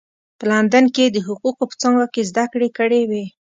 په لندن کې یې د حقوقو په څانګه کې زده کړې کړې وې.